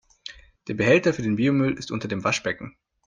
Der Behälter für den Biomüll ist unter dem Waschbecken.